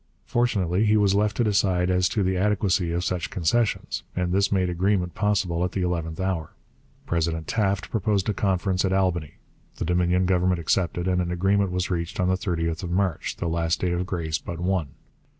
Fortunately he was left to decide as to the adequacy of such concessions, and this made agreement possible at the eleventh hour. President Taft proposed a conference at Albany; the Dominion Government accepted, and an agreement was reached on the 30th of March, the last day of grace but one.